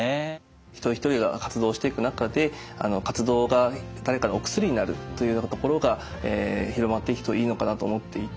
一人一人が活動していく中で活動が誰かのお薬になるというようなところが広まっていくといいのかなと思っていて。